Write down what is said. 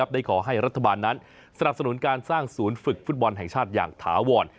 ได้ขอให้รัฐบาลนั้นสนับสนุนการสร้างศูนย์ฝึกฟุตบอลแห่งชาติอย่างถาวร